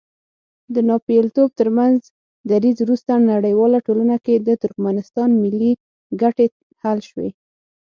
د ناپېیلتوب تر دریځ وروسته نړیواله ټولنه کې د ترکمنستان ملي ګټې حل شوې.